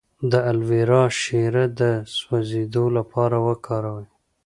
د الوویرا شیره د سوځیدو لپاره وکاروئ